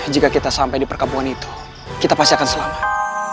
jika kita sampai di perkampungan itu kita pasti akan selamat